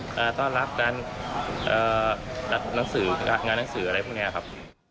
ต้อนรับการหนังสืองานหนังสืออะไรพวกนี้ครับ